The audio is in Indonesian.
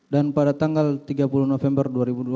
dan pada tanggal tiga puluh november dua ribu dua puluh satu